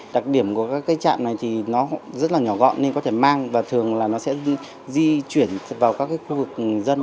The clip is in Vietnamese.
đặc điểm của các trạm này thì nó rất là nhỏ gọn nên có thể mang và thường là nó sẽ di chuyển vào các khu vực dân